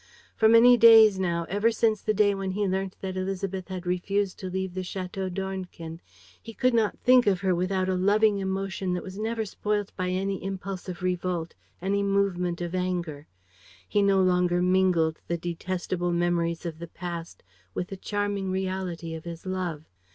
For many days now, ever since the day when he learnt that Élisabeth had refused to leave the Château d'Ornequin, he could not think of her without a loving emotion that was never spoilt by any impulse of revolt, any movement of anger. He no longer mingled the detestable memories of the past with the charming reality of his love.